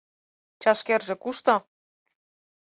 Чашкерже кушто -